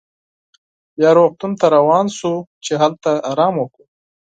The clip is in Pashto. بیا روغتون ته روان شوو چې هلته ارام وکړو.